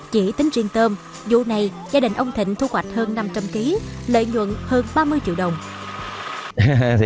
chỉ tính riêng tôm vụ này gia đình ông thịnh thu hoạch hơn năm trăm linh ký lợi nhuận hơn ba mươi triệu đồng